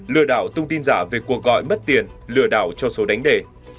lừa đảo thông tin giả về cuộc gọi mất tiền lừa đảo cho số đánh đề